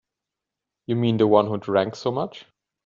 You mean the one who drank so much?